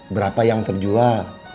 berapa yang terjual